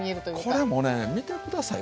これもね見て下さい。